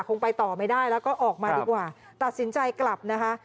ไปต่อไม่ได้แล้วก็ออกมาดีกว่าตัดสินใจกลับนะคะ